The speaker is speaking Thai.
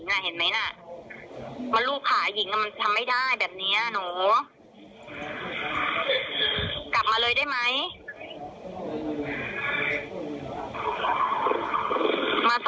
คราวนี้ของฟูล์ไทจ์กับกาทิกวรศ์ฟูล์ไทจ์น่ะรหัส